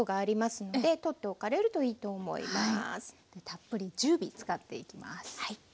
たっぷり１０尾使っていきます。